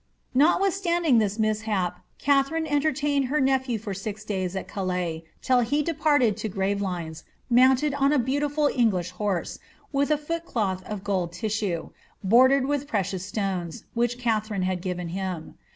Notwith (ttanding this mishap, Katharine entertained her nephew for six days at Calais, till he departed to Gravelines, mounted on a beautiful English horse, with a foot^loth of gold tissue, bordered with precious stones, which Katharine had given him.